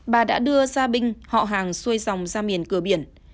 bà đã đưa gia binh họ hàng xuôi dòng ra miền cửa biển